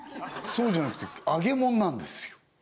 そうじゃなくて揚げもんなんですよ